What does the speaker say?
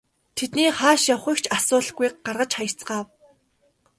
Тэдний хааш явахыг ч асуулгүй гаргаж хаяцгаав.